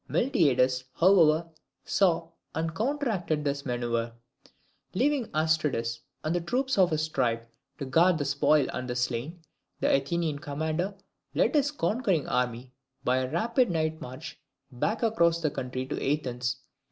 Miltiades, however, saw and counteracted his manoeuvre. Leaving Aristides, and the troops of his tribe, to guard the spoil and the slain, the Athenian commander led his conquering army by a rapid night march back across the country to Athens.